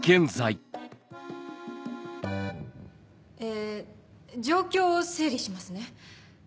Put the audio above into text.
え状況を整理しますね。